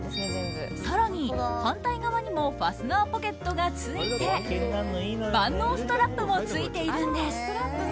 更に反対側にもファスナーポケットがついて万能ストラップもついているんです。